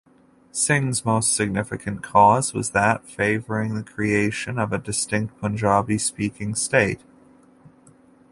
Singh's most significant cause was that favouring the creation of a distinct Punjabi-speaking state.